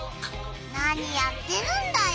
何やってるんだよ